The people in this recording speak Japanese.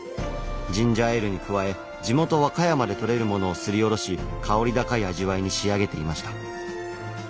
ジンジャーエールに加え地元和歌山でとれるものをすりおろし薫り高い味わいに仕上げていました。